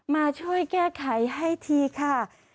มาช่วยแก้ไขให้ทีค่ะ